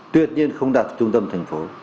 tuyệt nhiên không đặt trung tâm thành phố